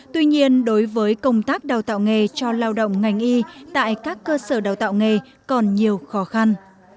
tuy nhiên đối với công tác đào tạo nghề cho lao động ngành y tại các cơ sở đào tạo nghề còn nhiều khó khăn